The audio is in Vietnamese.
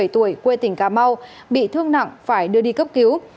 hai mươi bảy tuổi quê tỉnh cà mau bị thương nặng phải đưa đi cấp cứu